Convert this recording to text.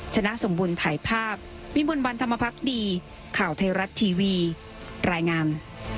ชนะสมบูรณ์ถ่ายภาพวิมวลวันธรรมพักดีข่าวไทยรัฐทีวีรายงาน